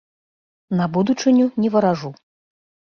На будучыню не варажу.